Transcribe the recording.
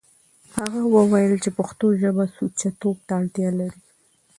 هغه وويل چې پښتو ژبه سوچه توب ته اړتيا لري.